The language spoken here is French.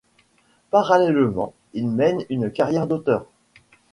Parallèlement il mène une carrière d'auteur.